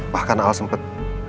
bahkan al sempet